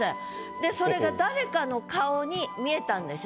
でそれが誰かの顔に見えたんでしょ？